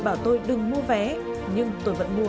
bảo tôi đừng mua vé nhưng tôi vẫn mua